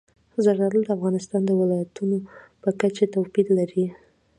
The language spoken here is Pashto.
زردالو د افغانستان د ولایاتو په کچه توپیر لري.